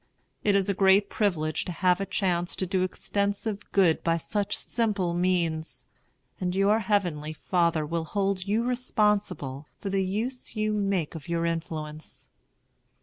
It is a great privilege to have a chance to do extensive good by such simple means, and your Heavenly Father will hold you responsible for the use you make of your influence.